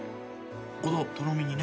このとろみにね。